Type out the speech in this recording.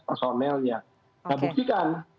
personelnya nah buktikan